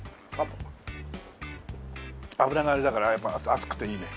脂があれだからやっぱ熱くていいね。